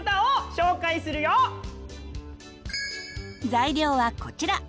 材料はこちら。